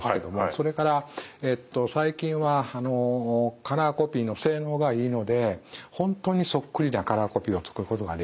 それから最近はカラーコピーの性能がいいので本当にそっくりなカラーコピーを作ることができる。